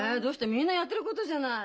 みんなやってることじゃない。